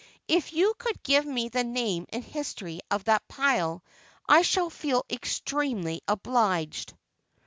If you could give me the name and history of that pile, I shall feel extremely obliged."